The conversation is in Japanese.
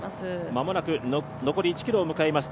間もなく残り１ｋｍを迎えます